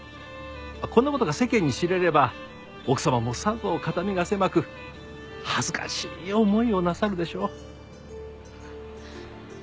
こんな事が世間に知れれば奥様もさぞ肩身が狭く恥ずかしい思いをなさるでしょう。